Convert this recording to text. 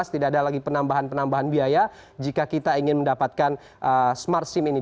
tidak ada lagi penambahan penambahan biaya jika kita ingin mendapatkan smart sim ini